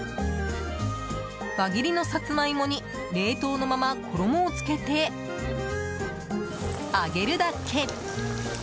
輪切りのサツマイモに冷凍のまま衣を付けて揚げるだけ。